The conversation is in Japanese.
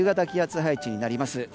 気圧配置になります。